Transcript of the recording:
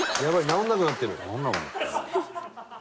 直らなくなってる。